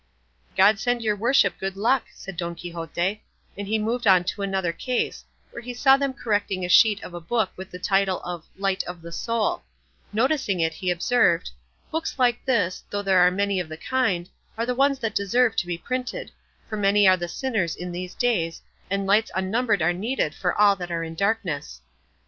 "God send your worship good luck," said Don Quixote; and he moved on to another case, where he saw them correcting a sheet of a book with the title of "Light of the Soul;" noticing it he observed, "Books like this, though there are many of the kind, are the ones that deserve to be printed, for many are the sinners in these days, and lights unnumbered are needed for all that are in darkness."